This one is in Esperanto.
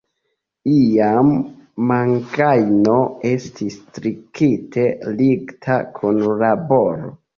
Iam mongajno estis strikte ligita kun laboro.